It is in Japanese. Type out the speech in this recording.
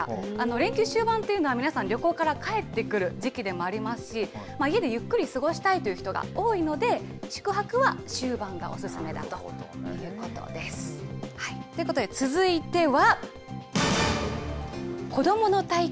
連休終盤というのは、皆さん、旅行から帰ってくる時期でもありますし、家でゆっくり過ごしたいという人が多いので、宿泊は終盤がお勧めだということです。ということで、続いては。